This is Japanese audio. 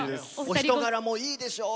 お人柄もいいでしょう